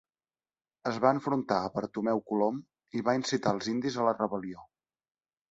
Es va enfrontar a Bartomeu Colom i va incitar als indis a la rebel·lió.